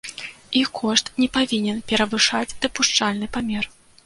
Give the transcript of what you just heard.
Іх кошт не павінен перавышаць дапушчальны памер.